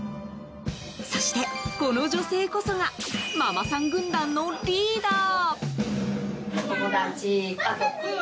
そして、この女性こそがママさん軍団のリーダー。